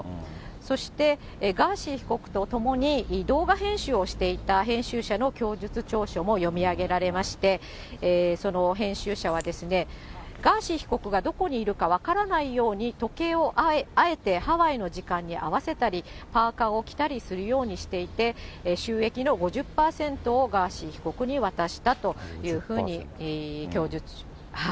そして、ガーシー被告と共に動画編集をしていた編集者の供述調書も読み上げられまして、その編集者はですね、ガーシー被告がどこにいるか分からないように、時計をあえてハワイの時間に合わせたり、パーカーを着たりするようにしていて、収益の５０％をガーシー被告に渡したというふうに供述。